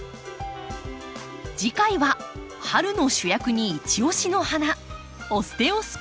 次回は春の主役にいち押しの花「オステオスペルマム」。